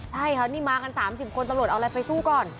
ใช่ค่ะนี่มากัน๓๐คนตำรวจเอาอะไรไปสู้ก่อน